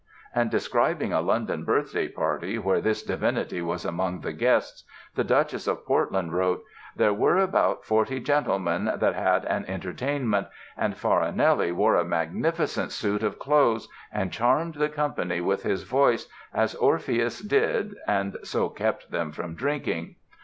And describing a London birthday party where this divinity was among the guests the Duchess of Portland wrote: "There were about forty gentlemen that had an entertainment, and Farinelli wore a magnificent suit of clothes, and charmed the company with his voice as Orpheus did (and so kept them from drinking)."